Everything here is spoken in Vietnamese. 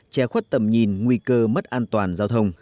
che khuất tầm nhìn nguy cơ mất an toàn giao thông